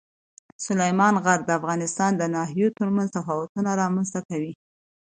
سلیمان غر د افغانستان د ناحیو ترمنځ تفاوتونه رامنځ ته کوي.